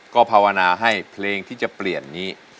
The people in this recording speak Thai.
ก็ภาวนาให้เพลงที่จะเปลี่ยนนี้